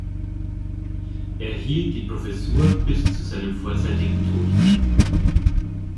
Er hielt die Professur bis zu seinem vorzeitigen Tod.